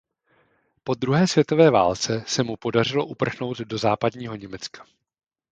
Po druhé světové válce se mu podařilo uprchnout do západního Německa.